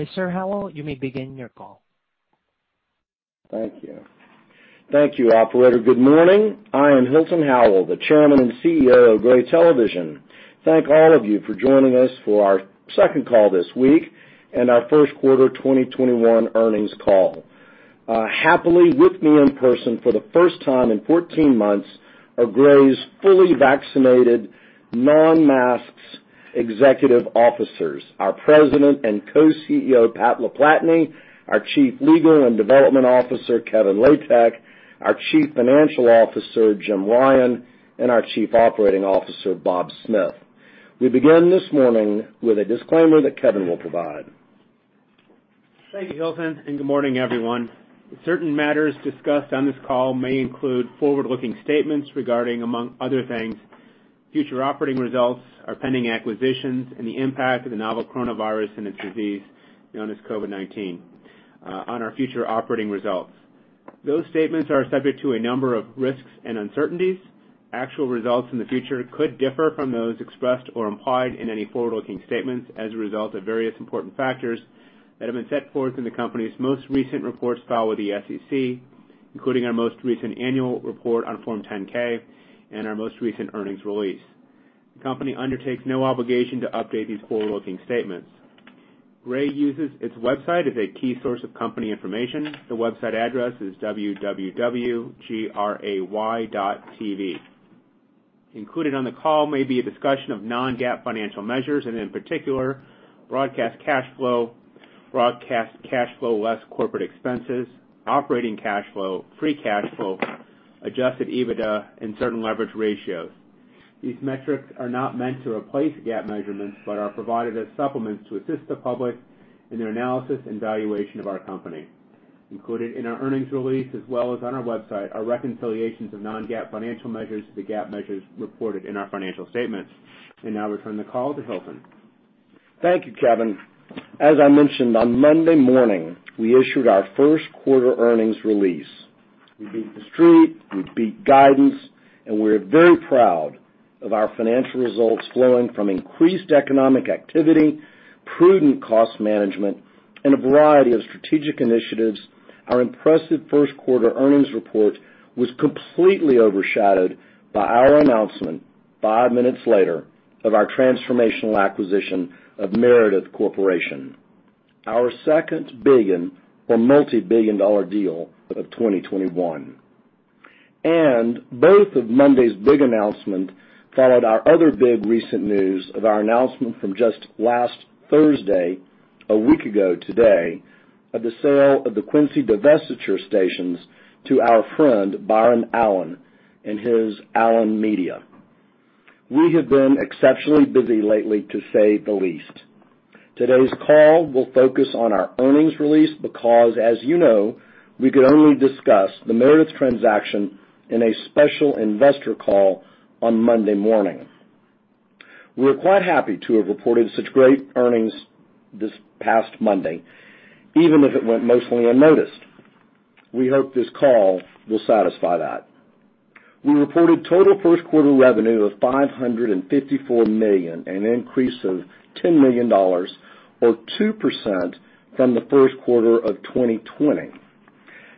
Mr. Howell, you may begin your call. Thank you. Thank you, operator. Good morning. I am Hilton Howell, the Chairman and CEO of Gray Television. Thank all of you for joining us for our second call this week and our first quarter 2021 earnings call. Happily with me in person for the first time in 14 months are Gray's fully vaccinated non-masks executive officers, our President and co-CEO, Pat LaPlatney, our Chief Legal and Development Officer, Kevin Latek, our Chief Financial Officer, Jim Ryan, and our Chief Operating Officer, Bob Smith. We begin this morning with a disclaimer that Kevin will provide. Thank you, Hilton. Good morning, everyone. Certain matters discussed on this call may include forward-looking statements regarding, among other things, future operating results, our pending acquisitions, and the impact of the novel coronavirus and its disease, known as COVID-19, on our future operating results. Those statements are subject to a number of risks and uncertainties. Actual results in the future could differ from those expressed or implied in any forward-looking statements as a result of various important factors that have been set forth in the company's most recent reports filed with the SEC, including our most recent annual report on Form 10-K and our most recent earnings release. The company undertakes no obligation to update these forward-looking statements. Gray uses its website as a key source of company information. The website address is www.gray.tv. Included on the call may be a discussion of non-GAAP financial measures, and in particular, broadcast cash flow, broadcast cash flow less corporate expenses, operating cash flow, free cash flow, adjusted EBITDA, and certain leverage ratios. These metrics are not meant to replace GAAP measurements but are provided as supplements to assist the public in their analysis and valuation of our company. Included in our earnings release, as well as on our website, are reconciliations of non-GAAP financial measures to the GAAP measures reported in our financial statements. Now I return the call to Hilton. Thank you, Kevin. As I mentioned on Monday morning, we issued our first quarter earnings release. We beat the Street, we beat guidance, and we're very proud of our financial results flowing from increased economic activity, prudent cost management, and a variety of strategic initiatives. Our impressive first quarter earnings report was completely overshadowed by our announcement five minutes later of our transformational acquisition of Meredith Corporation, our second billion or multi-billion dollar deal of 2021. Both of Monday's big announcement followed our other big recent news of our announcement from just last Thursday, a week ago today, of the sale of the Quincy divestiture stations to our friend Byron Allen and his Allen Media. We have been exceptionally busy lately, to say the least. Today's call will focus on our earnings release because, as you know, we could only discuss the Meredith transaction in a special investor call on Monday morning. We're quite happy to have reported such great earnings this past Monday, even if it went mostly unnoticed. We hope this call will satisfy that. We reported total 1st quarter revenue of $554 million, an increase of $10 million or 2% from the first quarter of 2020.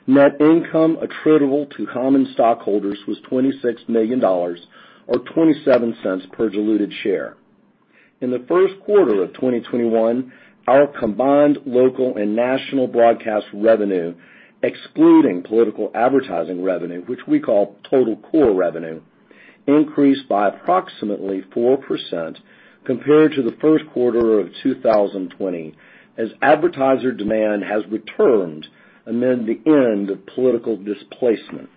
Net income attributable to common stockholders was $26 million or $0.27 per diluted share. In the first quarter of 2021, our combined local and national broadcast revenue, excluding political advertising revenue, which we call total core revenue, increased by approximately 4% compared to the first quarter of 2020, as advertiser demand has returned amid the end of political displacement.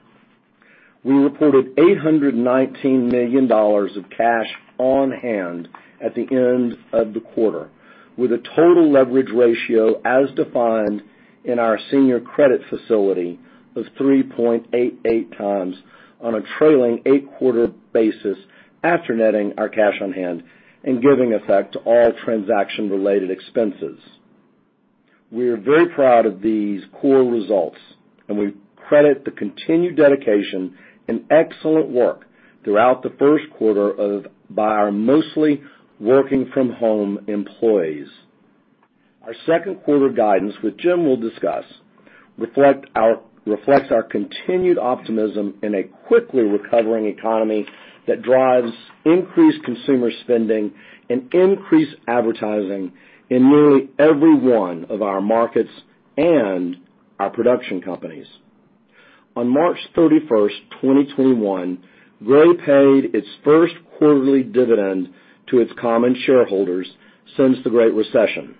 We reported $819 million of cash on hand at the end of the quarter, with a total leverage ratio as defined in our senior credit facility of 3.88x on a trailing eight-quarter basis after netting our cash on hand and giving effect to all transaction-related expenses. We are very proud of these core results, and we credit the continued dedication and excellent work throughout the first quarter by our mostly working-from-home employees. Our second quarter guidance, which Jim will discuss, reflects our continued optimism in a quickly recovering economy that drives increased consumer spending and increased advertising in nearly every one of our markets and our production companies. On March 31st, 2021, Gray paid its first quarterly dividend to its common shareholders since the Great Recession.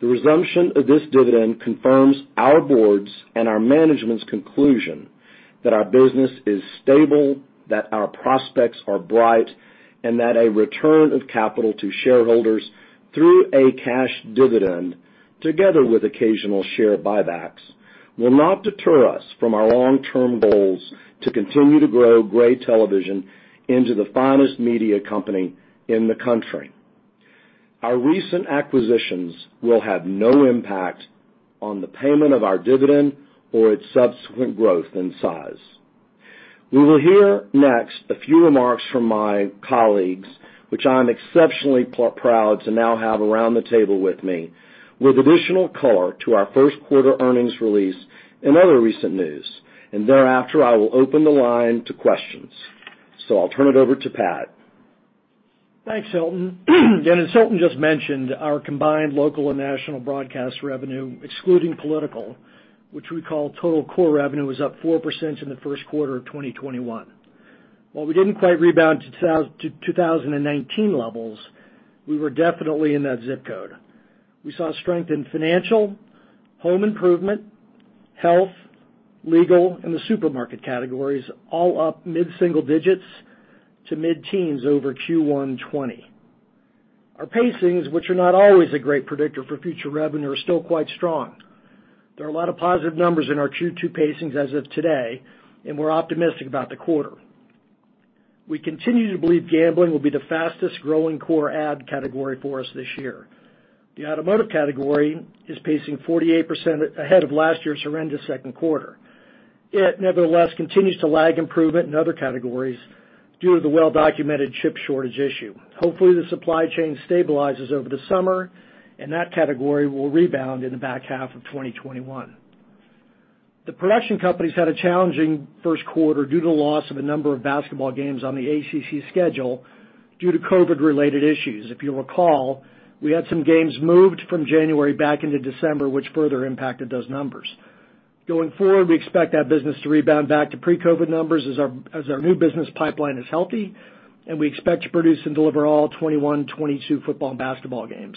The resumption of this dividend confirms our board's and our management's conclusion that our business is stable, that our prospects are bright, and that a return of capital to shareholders through a cash dividend, together with occasional share buybacks, will not deter us from our long-term goals to continue to grow Gray Television into the finest media company in the country. Our recent acquisitions will have no impact on the payment of our dividend or its subsequent growth and size. We will hear next a few remarks from my colleagues, which I am exceptionally proud to now have around the table with me, with additional color to our first quarter earnings release and other recent news. Thereafter, I will open the line to questions. I'll turn it over to Pat. Thanks, Hilton. As Hilton just mentioned, our combined local and national broadcast revenue, excluding political, which we call total core revenue, was up 4% in the first quarter of 2021. While we didn't quite rebound to 2019 levels, we were definitely in that zip code. We saw strength in financial, home improvement, health, legal, and the supermarket categories all up mid-single digits to mid-teens over Q1 2020. Our pacings, which are not always a great predictor for future revenue, are still quite strong. There are a lot of positive numbers in our Q2 pacings as of today, and we're optimistic about the quarter. We continue to believe gambling will be the fastest-growing core ad category for us this year. The automotive category is pacing 48% ahead of last year's horrendous second quarter. It nevertheless continues to lag improvement in other categories due to the well-documented chip shortage issue. Hopefully, the supply chain stabilizes over the summer, and that category will rebound in the back half of 2021. The production company's had a challenging first quarter due to the loss of a number of basketball games on the ACC schedule due to COVID-related issues. If you'll recall, we had some games moved from January back into December, which further impacted those numbers. Going forward, we expect that business to rebound back to pre-COVID numbers as our new business pipeline is healthy, and we expect to produce and deliver all 2021-2022 football and basketball games.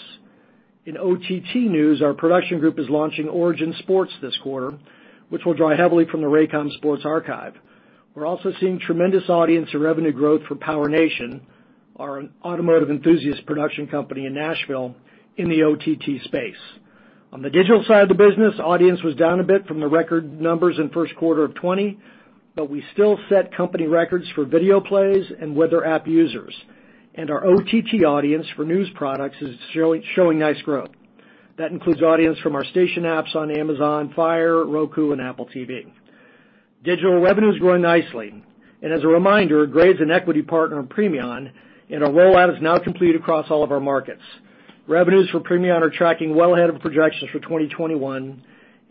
In OTT news, our production group is launching Origin Sports this quarter, which will draw heavily from the Raycom Sports archive. We're also seeing tremendous audience and revenue growth for PowerNation, our automotive enthusiast production company in Nashville, in the OTT space. On the digital side of the business, audience was down a bit from the record numbers in first quarter of 2020, but we still set company records for video plays and weather app users. Our OTT audience for news products is showing nice growth. That includes audience from our station apps on Amazon Fire TV, Roku, and Apple TV. Digital revenue is growing nicely. As a reminder, Gray is an equity partner of Premion, and our rollout is now complete across all of our markets. Revenues for Premion are tracking well ahead of projections for 2021,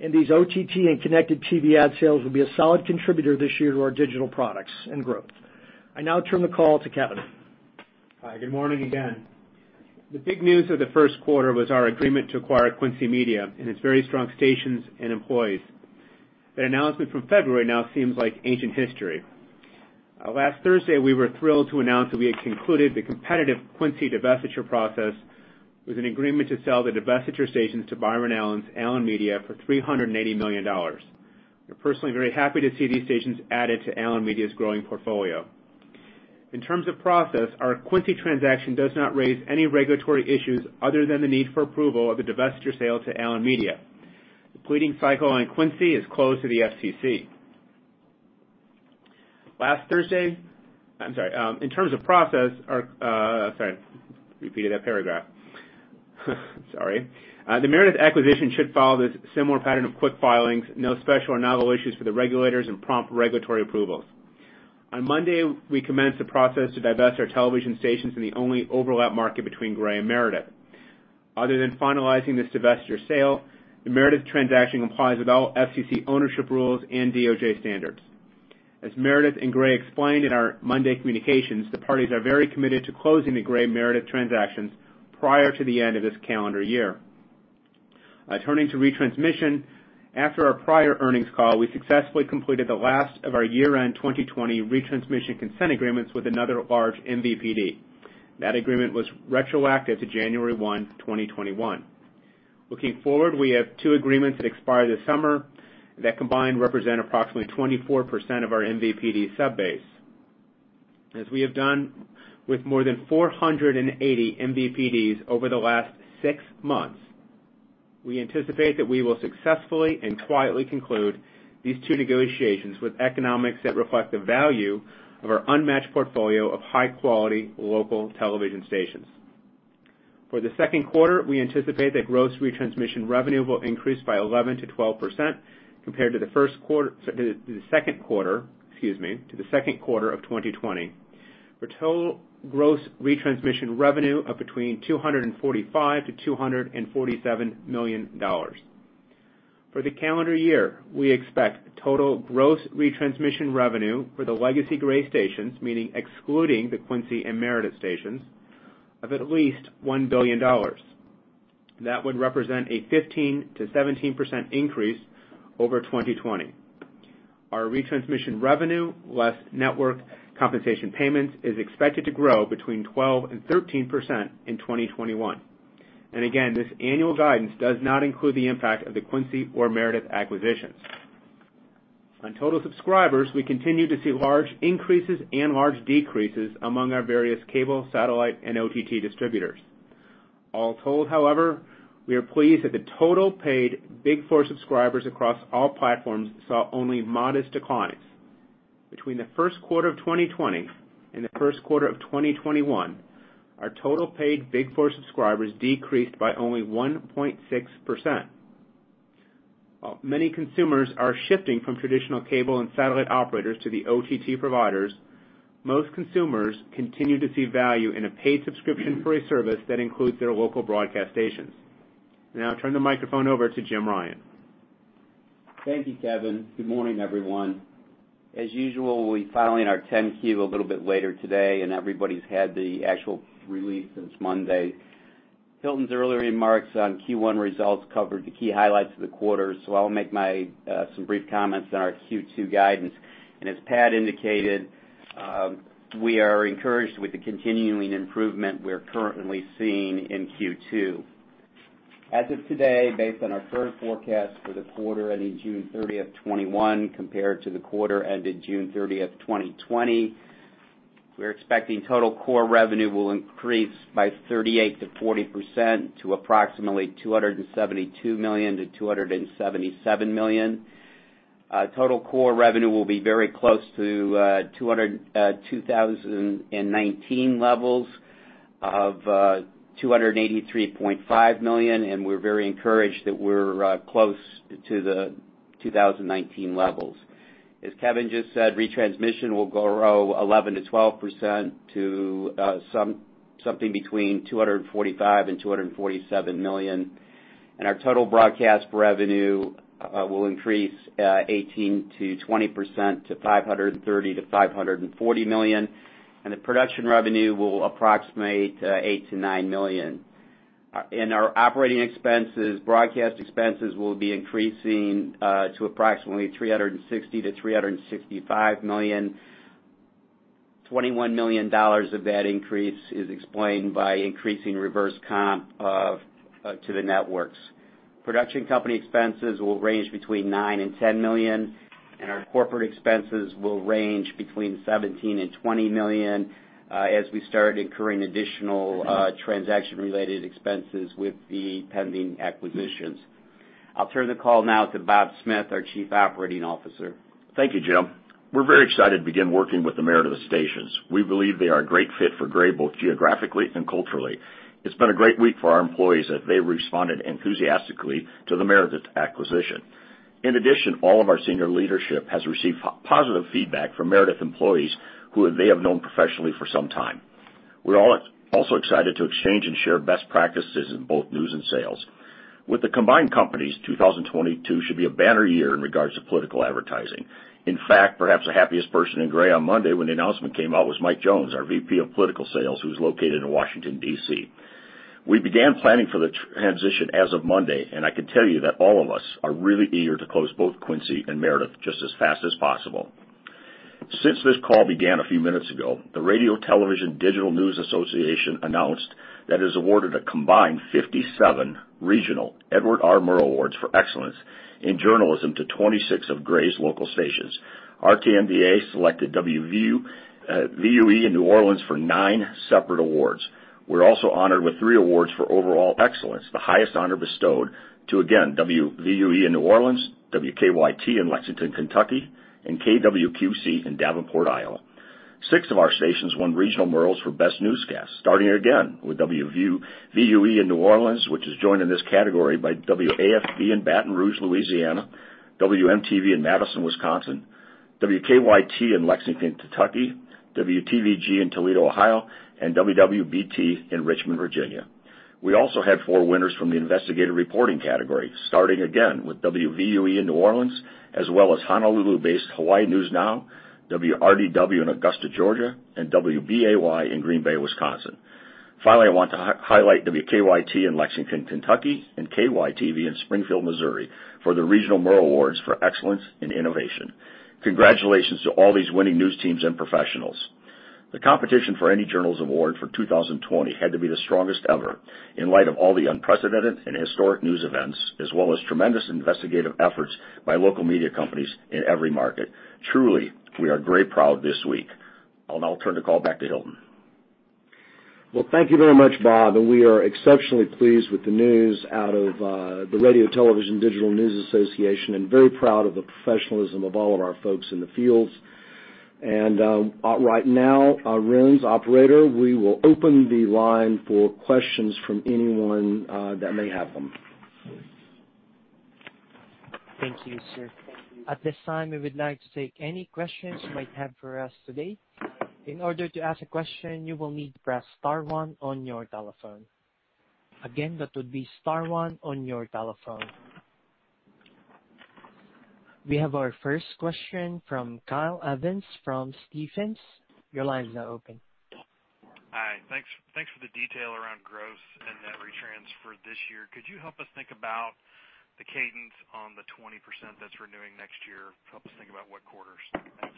and these OTT and connected TV ad sales will be a solid contributor this year to our digital products and growth. I now turn the call to Kevin. Hi. Good morning again. The big news of the first quarter was our agreement to acquire Quincy Media and its very strong stations and employees. That announcement from February now seems like ancient history. Last Thursday, we were thrilled to announce that we had concluded the competitive Quincy divestiture process with an agreement to sell the divestiture stations to Byron Allen's Allen Media for $380 million. We're personally very happy to see these stations added to Allen Media's growing portfolio. In terms of process, our Quincy transaction does not raise any regulatory issues other than the need for approval of the divestiture sale to Allen Media. The pleading cycle on Quincy is closed to the FCC. The Meredith acquisition should follow this similar pattern of quick filings, no special or novel issues for the regulators, and prompt regulatory approvals. On Monday, we commenced the process to divest our television stations in the only overlap market between Gray and Meredith. Other than finalizing this divestiture sale, the Meredith transaction complies with all FCC ownership rules and DOJ standards. As Meredith and Gray explained in our Monday communications, the parties are very committed to closing the Gray-Meredith transactions prior to the end of this calendar year. Turning to retransmission, after our prior earnings call, we successfully completed the last of our year-end 2020 retransmission consent agreements with another large MVPD. That agreement was retroactive to January 1, 2021. Looking forward, we have two agreements that expire this summer that combined represent approximately 24% of our MVPD sub base. As we have done with more than 480 MVPDs over the last six months, we anticipate that we will successfully and quietly conclude these two negotiations with economics that reflect the value of our unmatched portfolio of high-quality local television stations. For the second quarter, we anticipate that gross retransmission revenue will increase by 11% to 12% compared to the second quarter of 2020 for total gross retransmission revenue of between $245 million-$247 million. For the calendar year, we expect total gross retransmission revenue for the legacy Gray stations, meaning excluding the Quincy and Meredith stations, of at least $1 billion. That would represent a 15%-17% increase over 2020. Our retransmission revenue, less network compensation payments, is expected to grow between 12% and 13% in 2021. Again, this annual guidance does not include the impact of the Quincy or Meredith acquisitions. On total subscribers, we continue to see large increases and large decreases among our various cable, satellite, and OTT distributors. All told, however, we are pleased that the total paid Big Four subscribers across all platforms saw only modest declines. Between the first quarter of 2020 and the first quarter of 2021, our total paid Big Four subscribers decreased by only 1.6%. Well, many consumers are shifting from traditional cable and satellite operators to the OTT providers. Most consumers continue to see value in a paid subscription for a service that includes their local broadcast stations. I'll turn the microphone over to Jim Ryan. Thank you, Kevin. Good morning, everyone. As usual, we're filing our 10-Q a little bit later today, and everybody's had the actual release since Monday. Hilton's earlier remarks on Q1 results covered the key highlights of the quarter. I'll make some brief comments on our Q2 guidance. As Pat indicated, we are encouraged with the continuing improvement we're currently seeing in Q2. As of today, based on our current forecast for the quarter ending June 30th, 2021, compared to the quarter ending June 30th, 2020, we're expecting total core revenue will increase by 38%-40% to approximately $272 million-$277 million. Total core revenue will be very close to 2019 levels of $283.5 million, and we're very encouraged that we're close to the 2019 levels. As Kevin just said, retransmission will grow 11%-12% to something between $245 million and $247 million. Our total broadcast revenue will increase 18%-20% to $530 million-$540 million. The production revenue will approximate $8 million-$9 million. Our operating expenses, broadcast expenses will be increasing to approximately $360 million-$365 million. $21 million of that increase is explained by increasing reverse compensation to the networks. Production company expenses will range between $9 million and $10 million, and our corporate expenses will range between $17 million and $20 million as we start incurring additional transaction-related expenses with the pending acquisitions. I'll turn the call now to Bob Smith, our Chief Operating Officer. Thank you, Jim. We're very excited to begin working with the Meredith stations. We believe they are a great fit for Gray both geographically and culturally. It's been a great week for our employees as they responded enthusiastically to the Meredith acquisition. In addition, all of our senior leadership has received positive feedback from Meredith employees who they have known professionally for some time. We're also excited to exchange and share best practices in both news and sales. With the combined companies, 2022 should be a banner year in regards to political advertising. In fact, perhaps the happiest person in Gray on Monday when the announcement came out was Mike Jones, our VP of Political Sales, who's located in Washington, D.C. We began planning for the transition as of Monday, and I can tell you that all of us are really eager to close both Quincy and Meredith just as fast as possible. Since this call began a few minutes ago, the Radio Television Digital News Association announced that it has awarded a combined 57 regional Edward R. Murrow Awards for excellence in journalism to 26 of Gray's local stations. RTDNA selected WVUE in New Orleans for nine separate awards. We're also honored with three awards for overall excellence, the highest honor bestowed, to again, WVUE in New Orleans, WKYT in Lexington, Kentucky, and KWQC in Davenport, Iowa. Six of our stations won regional Murrows for best newscast, starting again with WVUE in New Orleans, which is joined in this category by WAFB in Baton Rouge, Louisiana, WMTV in Madison, Wisconsin, WKYT in Lexington, Kentucky, WTVG in Toledo, Ohio, and WWBT in Richmond, Virginia. We also had four winners from the investigative reporting category, starting again with WVUE in New Orleans, as well as Honolulu-based Hawaii News Now, WRDW in Augusta, Georgia, and WBAY in Green Bay, Wisconsin. Finally, I want to highlight WKYT in Lexington, Kentucky, and KYTV in Springfield, Missouri for the regional Murrow Awards for excellence in innovation. Congratulations to all these winning news teams and professionals. The competition for any journalist award for 2020 had to be the strongest ever in light of all the unprecedented and historic news events, as well as tremendous investigative efforts by local media companies in every market. Truly, we are Gray proud this week. I'll now turn the call back to Hilton. Well, thank you very much, Bob. We are exceptionally pleased with the news out of the Radio Television Digital News Association and very proud of the professionalism of all of our folks in the fields. Right now, our operator, we will open the line for questions from anyone that may have them. Thank you, sir. At this time, we would like to take any questions you might have for us today. We have our first question from Kyle Evans from Stephens. Your line is now open. Hi. Thanks for the detail around gross and net retrans for this year. Could you help us think about the cadence on the 20% that's renewing next year? Help us think about what quarters. Thanks.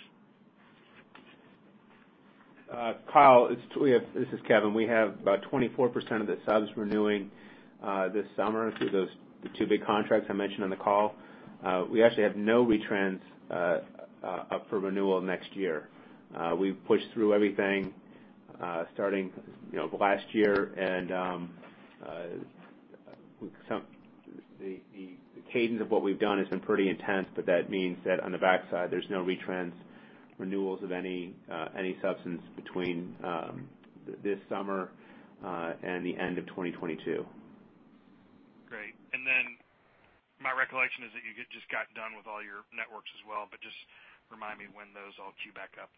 Kyle, this is Kevin. We have about 24% of the subs renewing this summer through the two big contracts I mentioned on the call. We actually have no retrans up for renewal next year. We've pushed through everything starting last year, and the cadence of what we've done has been pretty intense, but that means that on the backside, there's no retrans renewals of any substance between this summer and the end of 2022. Great. Then my recollection is that you just got done with all your networks as well, but just remind me when those all queue back up.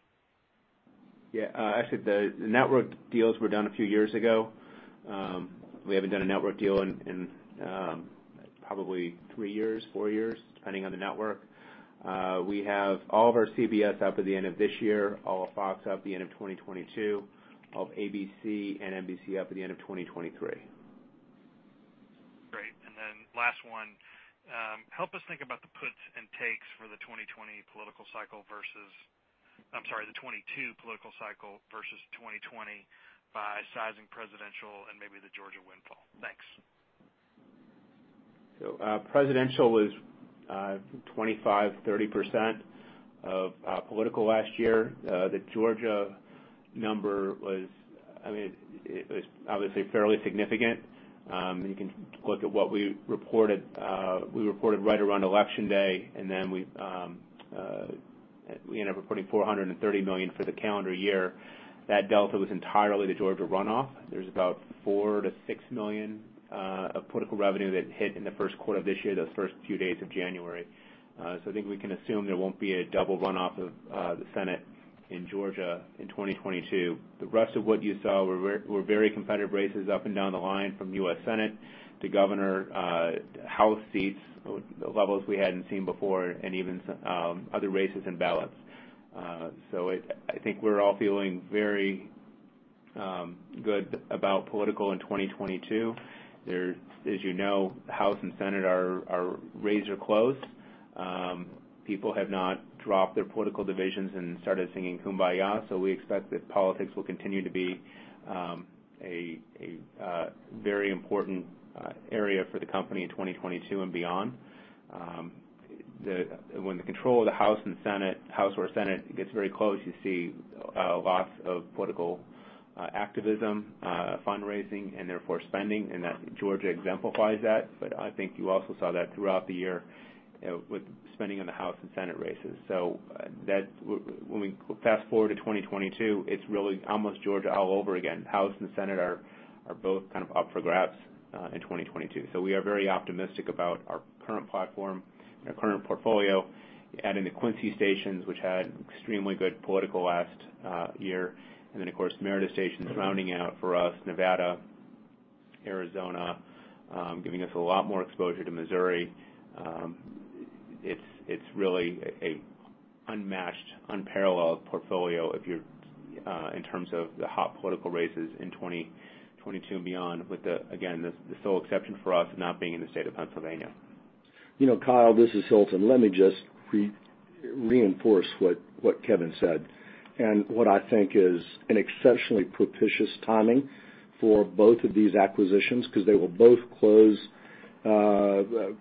Yeah. Actually, the network deals were done a few years ago. We haven't done a network deal in probably three years, four years, depending on the network. We have all of our CBS up at the end of this year, all of Fox up at the end of 2022, all of ABC and NBC up at the end of 2023. Great. Then last one. Help us think about the puts and takes for the 2020 political cycle versus, I'm sorry, the 2022 political cycle versus 2020 by sizing presidential and maybe the Georgia windfall. Thanks. Presidential is 25%, 30% of political last year. The Georgia number was, I would say, fairly significant. You can look at what we reported. We reported right around election day, and then we ended up reporting $430 million for the calendar year. That delta was entirely the Georgia runoff. There's about $4 million-$6 million of political revenue that hit in the first quarter of this year, those first few days of January. I think we can assume there won't be a double runoff of the Senate in Georgia in 2022. The rest of what you saw were very competitive races up and down the line from U.S. Senate to governor, House seats, levels we hadn't seen before, and even other races and ballots. I think we're all feeling very good about political in 2022. As you know, House and Senate are razor close. People have not dropped their political divisions and started singing Kumbaya, so we expect that politics will continue to be a very important area for the company in 2022 and beyond. When the control of the House or Senate gets very close, you see lots of political activism, fundraising, and therefore spending, and Georgia exemplifies that. I think you also saw that throughout the year with spending on the House and Senate races. When we fast-forward to 2022, it's really almost Georgia all over again. House and Senate are both up for grabs in 2022. We are very optimistic about our current platform and our current portfolio, adding the Quincy stations, which had extremely good political last year, and then, of course, Meredith stations rounding out for us, Nevada, Arizona, giving us a lot more exposure to Missouri. It's really an unmatched, unparalleled portfolio in terms of the hot political races in 2022 and beyond with, again, the sole exception for us not being in the state of Pennsylvania. Kyle, this is Hilton. Let me just reinforce what Kevin said, and what I think is an exceptionally propitious timing for both of these acquisitions because they will both close,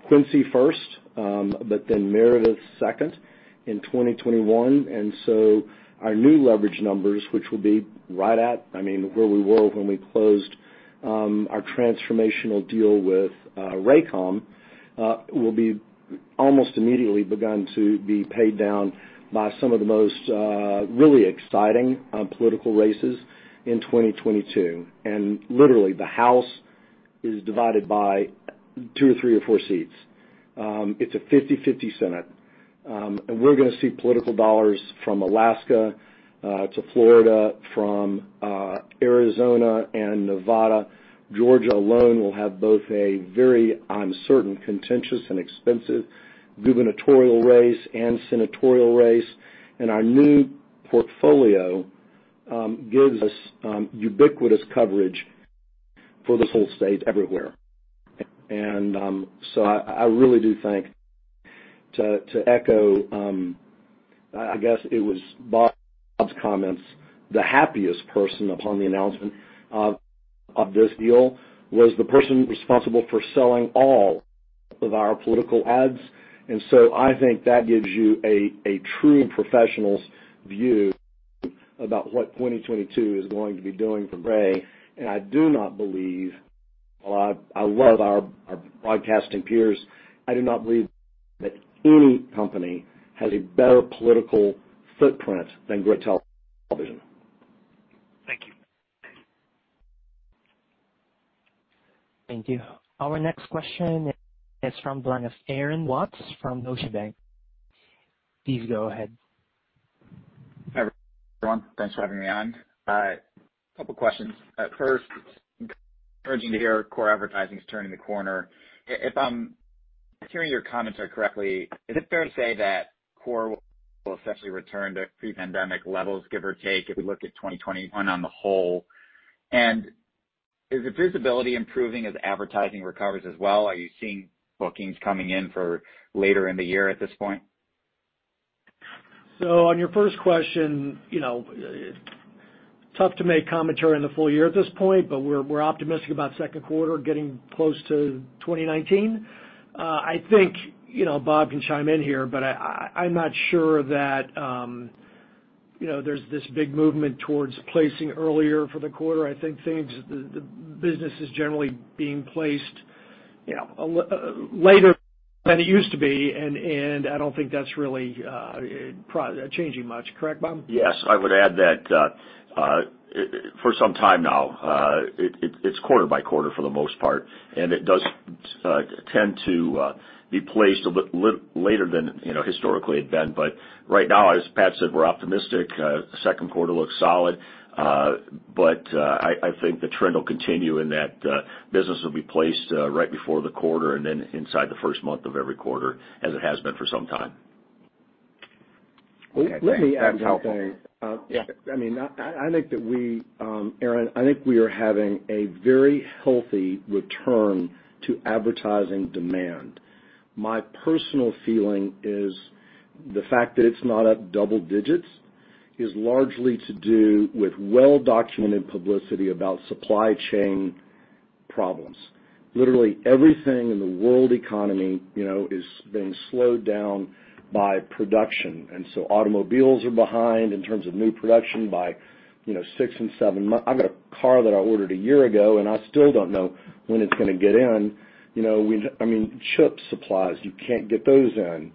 Quincy first, but then Meredith second in 2021. Our new leverage numbers, which will be right at where we were when we closed our transformational deal with Raycom, will be almost immediately begun to be paid down by some of the most really exciting political races in 2022. Literally, the House is divided by two or three or four seats. It's a 50/50 Senate. We're going to see political dollars from Alaska to Florida, from Arizona and Nevada. Georgia alone will have both a very, I'm certain, contentious and expensive gubernatorial race and senatorial race. Our new portfolio gives us ubiquitous coverage for this whole state everywhere. I really do think, to echo, I guess it was Bob's comments, the happiest person upon the announcement of this deal was the person responsible for selling all of our political ads. I think that gives you a true professional's view about what 2022 is going to be doing for Gray. I do not believe, while I love our broadcasting peers, I do not believe that any company has a better political footprint than Gray Television. Thank you. Thank you. Our next question is from the line of Aaron Watts from Deutsche Bank. Please go ahead. Hi, everyone. Thanks for having me on. A couple questions. First, encouraging to hear core advertising is turning the corner. If I'm hearing your comments correctly, is it fair to say that core will essentially return to pre-pandemic levels, give or take, if we look at 2021 on the whole? Is the visibility improving as advertising recovers as well? Are you seeing bookings coming in for later in the year at this point? On your first question, tough to make commentary on the full year at this point, but we're optimistic about second quarter getting close to 2019. I think Bob can chime in here, but I'm not sure that there's this big movement towards placing earlier for the quarter. I think the business is generally being placed later than it used to be, and I don't think that's really changing much. Correct, Bob? Yes. I would add that for some time now, it's quarter by quarter for the most part, and it does tend to be placed a bit later than historically it had been. Right now, as Pat said, we're optimistic. Second quarter looks solid. I think the trend will continue in that business will be placed right before the quarter and then inside the first month of every quarter, as it has been for some time. Okay. That's helpful. Let me add something. Yeah. I think that we, Aaron, I think we are having a very healthy return to advertising demand. My personal feeling is the fact that it's not at double digits is largely to do with well-documented publicity about supply chain problems. Literally everything in the world economy is being slowed down by production. Automobiles are behind in terms of new production by six and seven months. I've got a car that I ordered a year ago, and I still don't know when it's going to get in. Chip supplies, you can't get those in.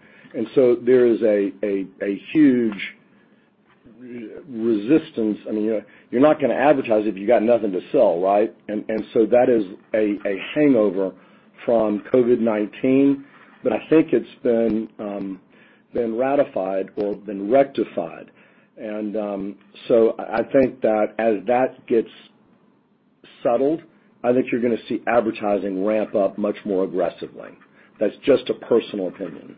There is a huge resistance. You're not going to advertise if you've got nothing to sell, right? That is a hangover from COVID-19, but I think it's been ratified or been rectified. I think that as that gets settled, I think you're going to see advertising ramp up much more aggressively. That's just a personal opinion.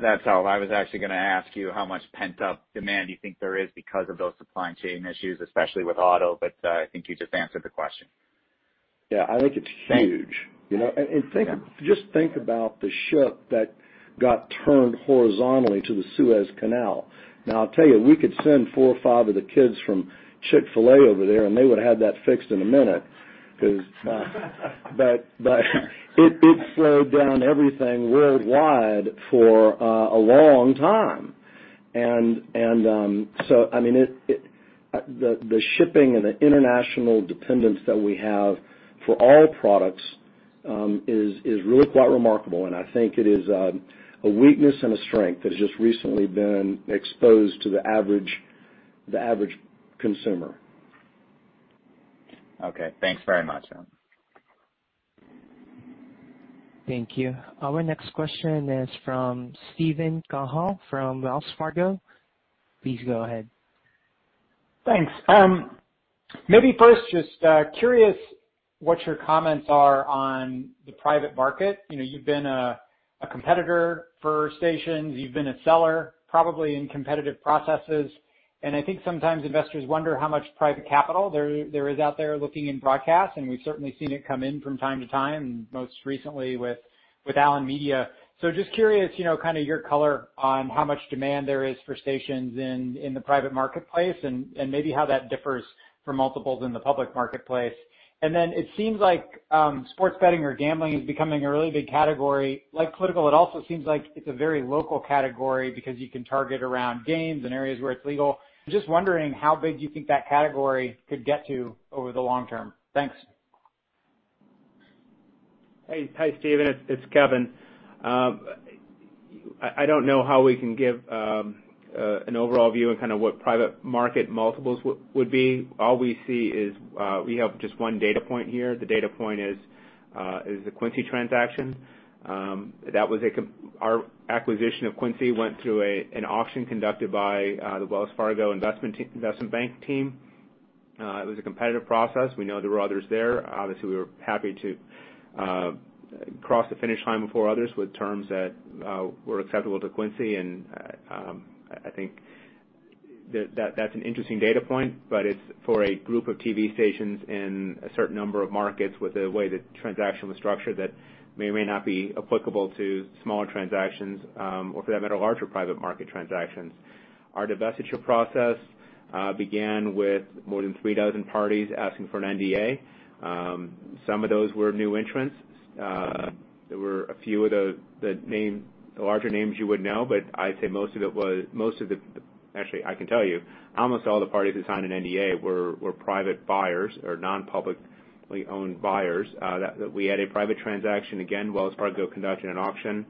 That's all. I was actually going to ask you how much pent-up demand you think there is because of those supply chain issues, especially with auto, but I think you just answered the question. Yeah, I think it's huge. Thank you. Just think about the ship that got turned horizontally to the Suez Canal. Now, I'll tell you, we could send four or five of the kids from Chick-fil-A over there, and they would have had that fixed in a minute. It slowed down everything worldwide for a long time. The shipping and the international dependence that we have for all products is really quite remarkable, and I think it is a weakness and a strength that has just recently been exposed to the average consumer. Okay. Thanks very much. Thank you. Our next question is from Steven Cahall from Wells Fargo. Please go ahead. Thanks. Maybe first, just curious what your comments are on the private market. You've been a competitor for stations. You've been a seller, probably in competitive processes. I think sometimes investors wonder how much private capital there is out there looking in broadcast, and we've certainly seen it come in from time to time, most recently with Allen Media. Just curious, your color on how much demand there is for stations in the private marketplace and maybe how that differs from multiples in the public marketplace. It seems like sports betting or gambling is becoming a really big category. Like political, it also seems like it's a very local category because you can target around games and areas where it's legal. I'm just wondering how big you think that category could get to over the long term. Thanks. Hey, Steven, it's Kevin. I don't know how we can give an overall view on what private market multiples would be. All we see is we have just one data point here. The data point is the Quincy transaction. Our acquisition of Quincy went through an auction conducted by the Wells Fargo investment bank team. It was a competitive process. We know there were others there. Obviously, we were happy to cross the finish line before others with terms that were acceptable to Quincy. I think that's an interesting data point, but it's for a group of TV stations in a certain number of markets with the way the transaction was structured that may or may not be applicable to smaller transactions, or for that matter, larger private market transactions. Our divestiture process began with more than three dozen parties asking for an NDA. Some of those were new entrants. There were a few of the larger names you would know, but I'd say most of it was. Actually, I can tell you, almost all the parties that signed an NDA were private buyers or non-publicly owned buyers. We had a private transaction, again, Wells Fargo conducted an auction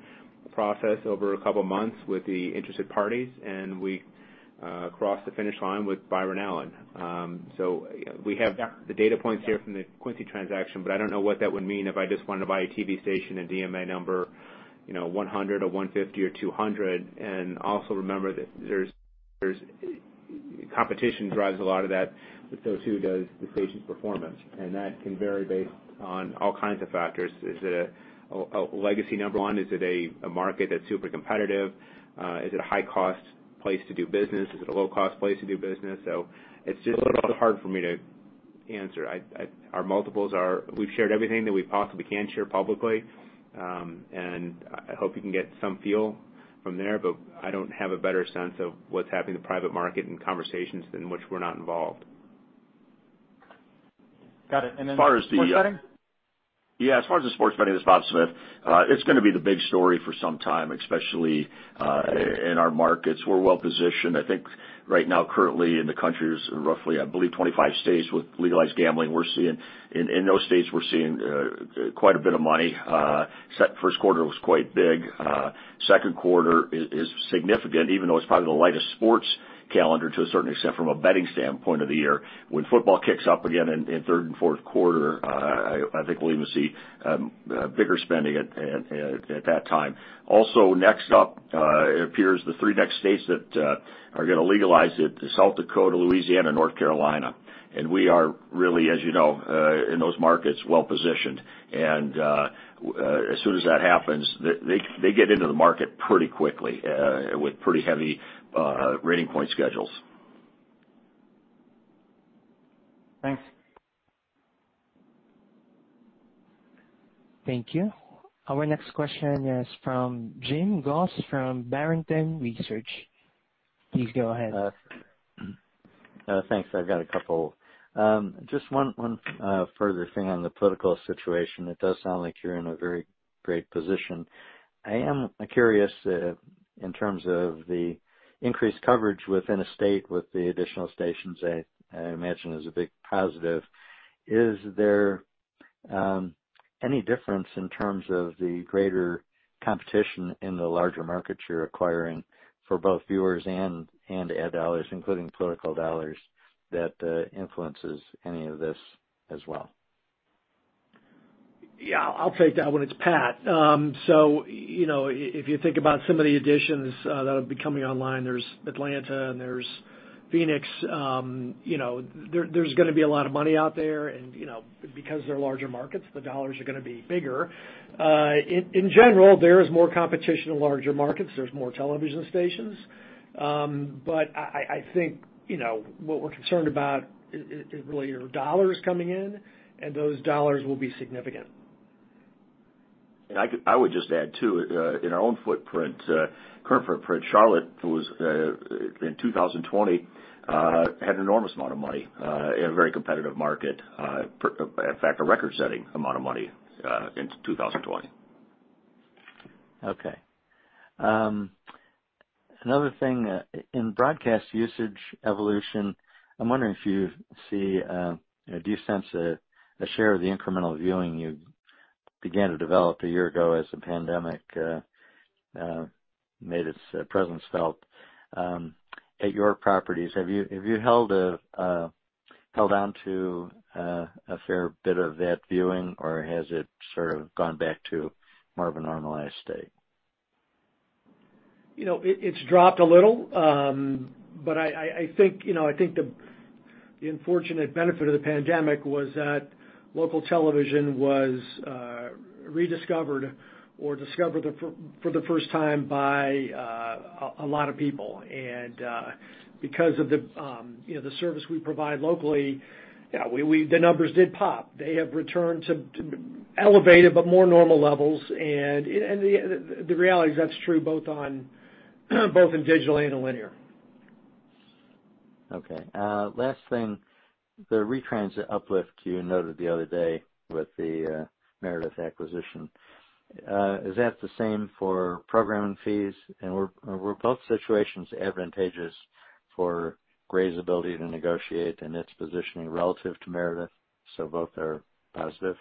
process over a couple of months with the interested parties, and we crossed the finish line with Byron Allen. We have the data points here from the Quincy transaction, but I don't know what that would mean if I just wanted to buy a TV station, a DMA number 100 or 150 or 200. Also remember that competition drives a lot of that, but so too does the station's performance. That can vary based on all kinds of factors. Is it a legacy number one? Is it a market that's super competitive? Is it a high-cost place to do business? Is it a low-cost place to do business? It's just a little hard for me to answer. We've shared everything that we possibly can share publicly, and I hope you can get some feel from there, but I don't have a better sense of what's happening in the private market and conversations in which we're not involved. Got it. Sports betting? Yeah. As far as the sports betting, it's Bob Smith. It's going to be the big story for some time, especially in our markets. We're well-positioned. I think right now, currently in the country, is roughly, I believe, 25 states with legalized gambling. In those states, we're seeing quite a bit of money. First quarter was quite big. Second quarter is significant, even though it's probably the lightest sports calendar to a certain extent from a betting standpoint of the year. When football kicks off again in third and fourth quarter, I think we'll even see bigger spending at that time. Also next up, it appears the three next states that are going to legalize it, South Dakota, Louisiana, North Carolina. We are really, as you know, in those markets well-positioned. As soon as that happens, they get into the market pretty quickly, with pretty heavy rating point schedules. Thanks. Thank you. Our next question is from Jim Goss from Barrington Research. Please go ahead. Thanks. I've got a couple. Just one further thing on the political situation. It does sound like you're in a very great position. I am curious in terms of the increased coverage within a state with the additional stations, I imagine is a big positive. Is there any difference in terms of the greater competition in the larger markets you're acquiring for both viewers and ad dollars, including political dollars, that influences any of this as well? Yeah, I'll take that one. It's Pat. If you think about some of the additions that'll be coming online, there's Atlanta and there's Phoenix. There's going to be a lot of money out there and, because they're larger markets, the dollars are going to be bigger. In general, there is more competition in larger markets. There's more television stations. I think what we're concerned about is really your dollars coming in, and those dollars will be significant. I would just add, too, in our own footprint, current footprint, Charlotte, in 2020, had an enormous amount of money in a very competitive market. In fact, a record-setting amount of money in 2020. Okay. Another thing. In broadcast usage evolution, I'm wondering if you sense a share of the incremental viewing you began to develop a year ago as the pandemic made its presence felt at your properties? Have you held onto a fair bit of that viewing or has it sort of gone back to more of a normalized state? It's dropped a little. I think the unfortunate benefit of the pandemic was that local television was rediscovered or discovered for the first time by a lot of people. Because of the service we provide locally, the numbers did pop. They have returned to elevated but more normal levels. The reality is that's true both in digital and in linear. Okay. Last thing, the retrans uplift you noted the other day with the Meredith acquisition. Is that the same for programming fees? Were both situations advantageous for Gray's ability to negotiate and its positioning relative to Meredith, so both are positive?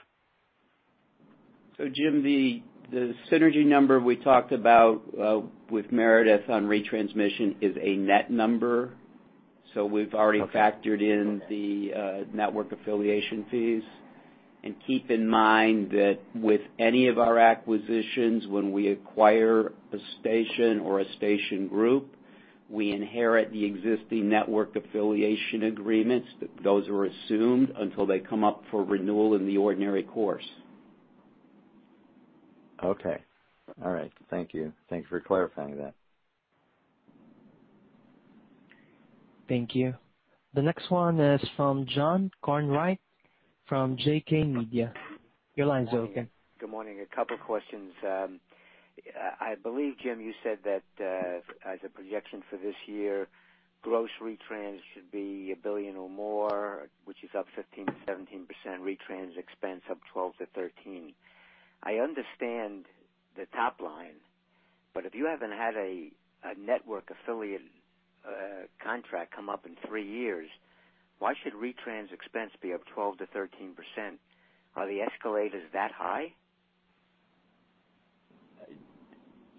Jim, the synergy number we talked about with Meredith on retransmission is a net number. Okay. We've already factored in the network affiliation fees. Keep in mind that with any of our acquisitions, when we acquire a station or a station group, we inherit the existing network affiliation agreements. Those are assumed until they come up for renewal in the ordinary course. Okay. All right. Thank you. Thanks for clarifying that. Thank you. The next one is from John Conright from JK Media. Your line's open. Good morning. A couple questions. I believe, Jim, you said that, as a projection for this year, gross retrans should be $1 billion or more, which is up 15%-17%, retrans expense up 12%-13%. I understand the top line, if you haven't had a network affiliate contract come up in three years, why should retrans expense be up 12%-13%? Are the escalators that high?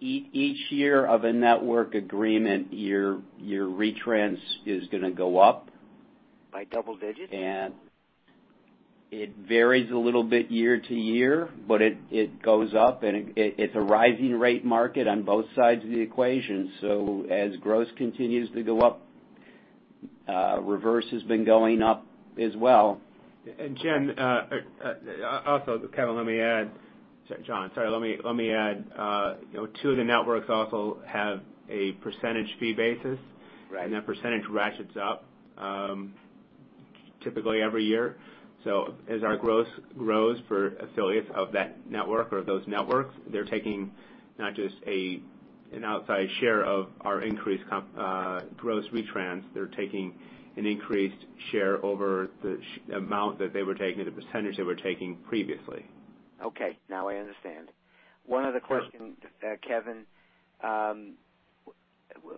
Each year of a network agreement, your retrans is going to go up. By double digits? It varies a little bit year to year, but it goes up and it's a rising rate market on both sides of the equation. As gross continues to go up, reverse has been going up as well. Jim, also, Kevin, let me add. John, sorry, let me add. Two of the networks also have a percentage fee basis. Right. That percentage ratchets up typically every year. As our gross grows for affiliates of that network or those networks, they're taking not just an outside share of our increased gross retrans. They're taking an increased share over the amount that they were taking, the percentage they were taking previously. Okay, now I understand. One other question, Kevin.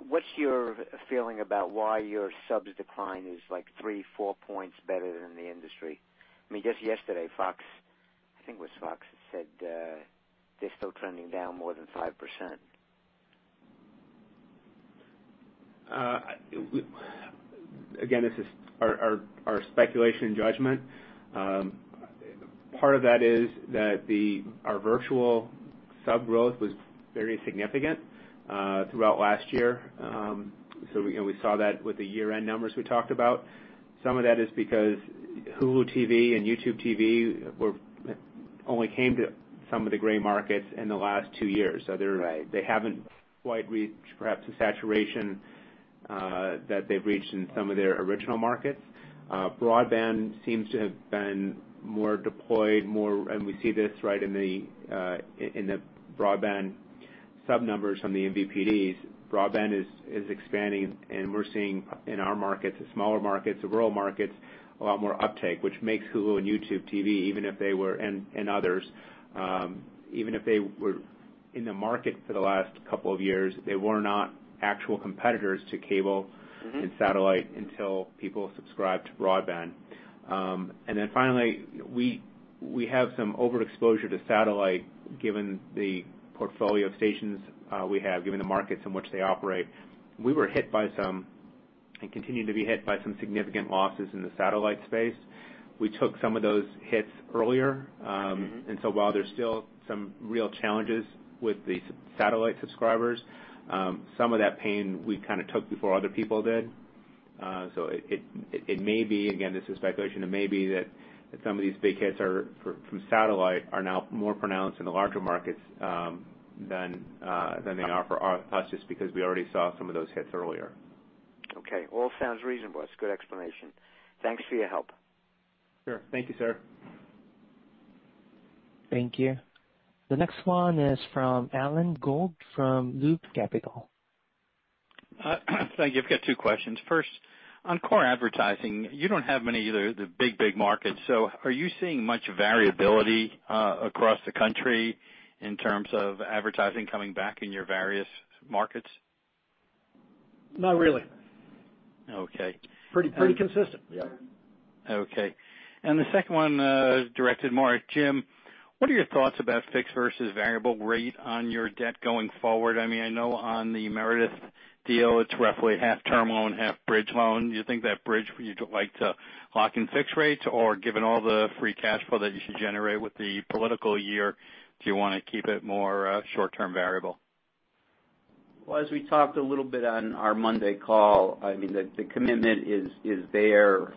What's your feeling about why your subs decline is like three, four points better than the industry? I mean, just yesterday, Fox, I think it was Fox, that said they're still trending down more than 5%. Again, this is our speculation judgment. Part of that is that our virtual sub-growth was very significant throughout last year. We saw that with the year-end numbers we talked about. Some of that is because Hulu TV and YouTube TV only came to some of the Gray markets in the last two years. Right. They haven't quite reached perhaps the saturation that they've reached in some of their original markets. Broadband seems to have been more deployed, and we see this right in the broadband sub numbers from the MVPDs. Broadband is expanding and we're seeing in our markets, the smaller markets, the rural markets, a lot more uptake, which makes Hulu and YouTube TV, and others, even if they were in the market for the last couple of years, they were not actual competitors to cable and satellite until people subscribed to broadband. Finally, we have some overexposure to satellite given the portfolio of stations we have, given the markets in which they operate. We were hit by some, and continue to be hit by some significant losses in the satellite space. We took some of those hits earlier. While there's still some real challenges with the satellite subscribers, some of that pain we took before other people did. It may be, again, this is speculation, it may be that some of these big hits from satellite are now more pronounced in the larger markets than they are for us, just because we already saw some of those hits earlier. Okay. All sounds reasonable. That's a good explanation. Thanks for your help. Sure. Thank you, sir. Thank you. The next one is from Alan Gould from Loop Capital. Thank you. I've got two questions. First, on core advertising, you don't have many of the big markets, so are you seeing much variability across the country in terms of advertising coming back in your various markets? Not really. Okay. Pretty consistent. Yep. Okay. The second one is directed more at Jim. What are your thoughts about fixed versus variable rate on your debt going forward? I know on the Meredith deal, it's roughly half-term loan, half-bridge loan. Do you think that bridge, would you like to lock in fixed rates? Or given all the free cash flow that you should generate with the political year, do you want to keep it more short-term variable? Well, as we talked a little bit on our Monday call, the commitment is there.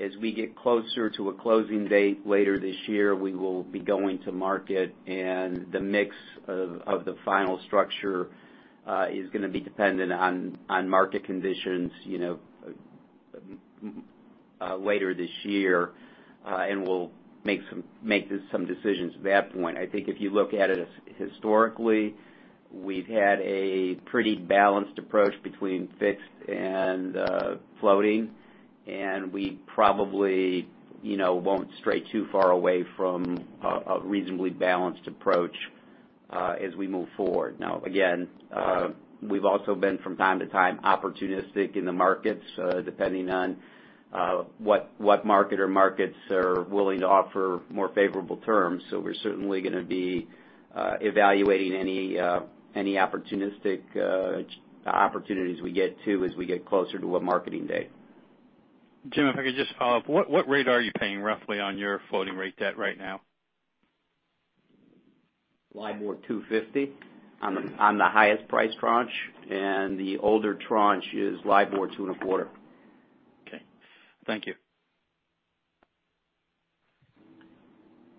As we get closer to a closing date later this year, we will be going to market and the mix of the final structure is going to be dependent on market conditions later this year, and we'll make some decisions at that point. I think if you look at it historically, we've had a pretty balanced approach between fixed and floating. We probably won't stray too far away from a reasonably balanced approach as we move forward. Now, again, we've also been, from time to time, opportunistic in the markets, depending on what market or markets are willing to offer more favorable terms. We're certainly going to be evaluating any opportunistic opportunities we get too, as we get closer to a marketing date. Jim, if I could just follow up, what rate are you paying roughly on your floating rate debt right now? LIBOR 250 on the highest price tranche, and the older tranche is LIBOR two and a quarter. Okay. Thank you.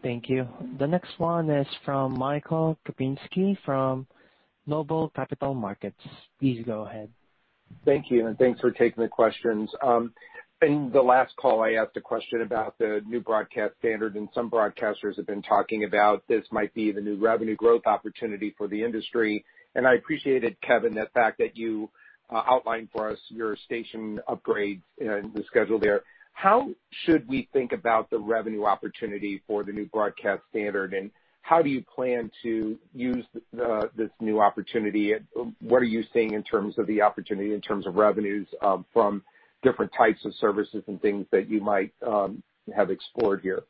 Thank you. The next one is from Michael Kupinski from Noble Capital Markets. Please go ahead. Thank you, thanks for taking the questions. In the last call, I asked a question about the new broadcast standard. Some broadcasters have been talking about this might be the new revenue growth opportunity for the industry. I appreciated, Kevin, the fact that you outlined for us your station upgrades and the schedule there. How should we think about the revenue opportunity for the new broadcast standard? How do you plan to use this new opportunity? What are you seeing in terms of the opportunity in terms of revenues from different types of services and things that you might have explored here?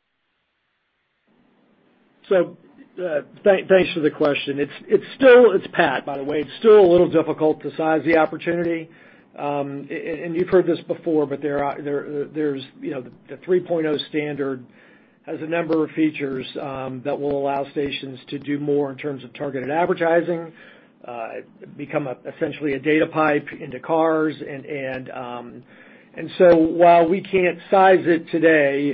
Thanks for the question. It's Pat, by the way. It's still a little difficult to size the opportunity. You've heard this before, but the 3.0 standard has a number of features that will allow stations to do more in terms of targeted advertising, become essentially a data pipe into cars, while we can't size it today,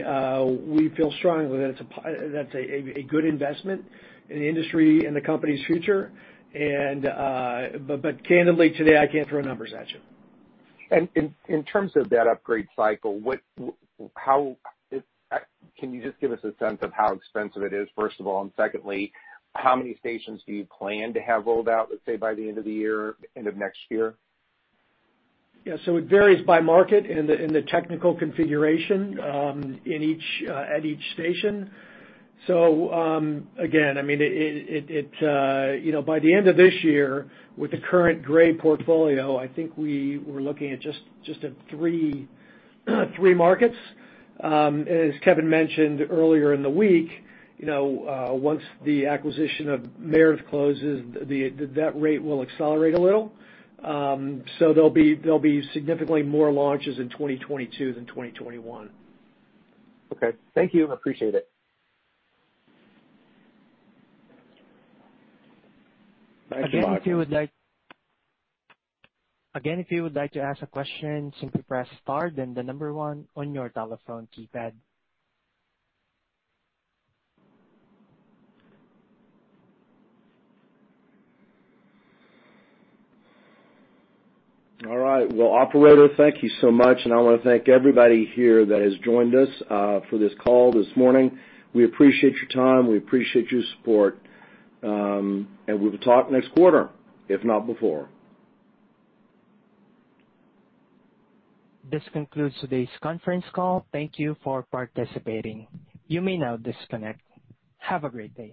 we feel strongly that it's a good investment in the industry and the company's future. Candidly, today, I can't throw numbers at you. In terms of that upgrade cycle, can you just give us a sense of how expensive it is, first of all? Secondly, how many stations do you plan to have rolled out, let's say, by the end of the year, end of next year? Yeah. It varies by market and the technical configuration at each station. Again, by the end of this year, with the current Gray portfolio, I think we were looking at just at three markets. As Kevin mentioned earlier in the week, once the acquisition of Meredith closes, that rate will accelerate a little. There'll be significantly more launches in 2022 than 2021. Okay. Thank you. Appreciate it. Thanks a lot. Again, if you would like to ask a question, simply press star then the number one on your telephone keypad. All right. Well, operator, thank you so much, I want to thank everybody here that has joined us for this call this morning. We appreciate your time. We appreciate your support. We will talk next quarter, if not before. This concludes today's conference call. Thank you for participating. You may now disconnect. Have a great day.